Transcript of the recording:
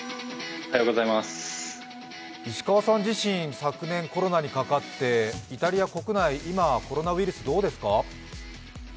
石川さん自身、昨年コロナにかかってイタリア国内、今、コロナウイルスどうですか？